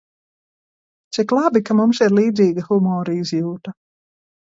Cik labi, ka mums ir līdzīga humora izjūta.